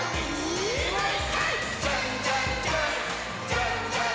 じゃんじゃん！